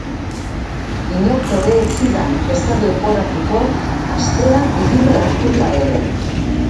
Inork ere ez zidan ezer leporatuko astea libre hartuta ere.